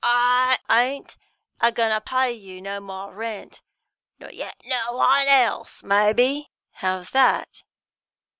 "I ain't a goin' to pay you no more rent, nor yet no one else, maybe." "How's that?"